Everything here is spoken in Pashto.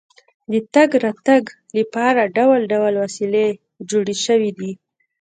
د تګ راتګ لپاره ډول ډول وسیلې جوړې شوې دي.